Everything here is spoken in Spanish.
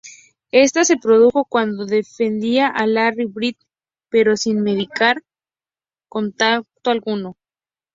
Ésta se produjo cuando defendía a Larry Bird, pero sin mediar contacto alguno.